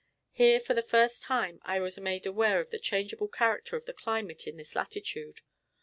Here for the first time I was made aware of the changeable character of the climate in this latitude.